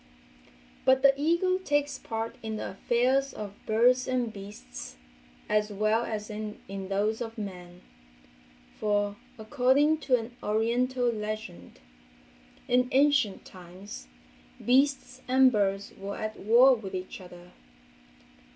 But the eagle takes part in the affairs of birds and beasts, as well as in those of men, for, according to an oriental legend, in ancient times beasts and birds were at war with each other.